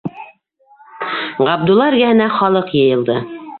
Ғабдулла эргәһенә халыҡ йыйылды.